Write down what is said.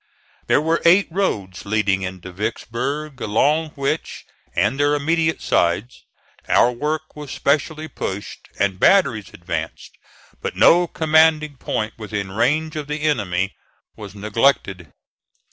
There were eight roads leading into Vicksburg, along which and their immediate sides, our work was specially pushed and batteries advanced; but no commanding point within range of the enemy was neglected.